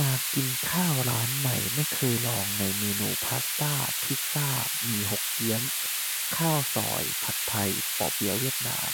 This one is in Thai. มากินข้าวร้านใหม่ ไม่เคยลอง ในเมนูมี พาสต้า พิซซ่า หมี่ฮกเกี้ยน ข้าวซอย ผัดไทย ปอเปี๊ยะเวียดนาม